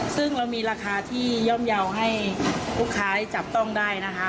ซึ่งเรามีราคาที่ย่อมเยาว์ให้ลูกค้าได้จับต้องได้นะคะ